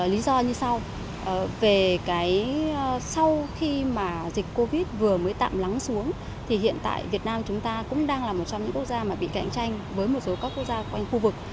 lý do như sau về cái sau khi mà dịch covid vừa mới tạm lắng xuống thì hiện tại việt nam chúng ta cũng đang là một trong những quốc gia mà bị cạnh tranh với một số các quốc gia quanh khu vực